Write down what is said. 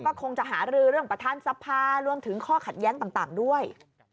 ก็คงจะหารือเรื่องประธานสภารวมถึงข้อขัดแย้งต่างด้วย